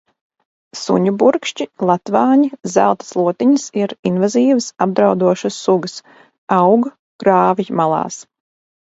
Suņuburkšķi, latvāņi, zelta slotiņas ir invazīvas, apdraudošas sugas. Aug grāvjmalās.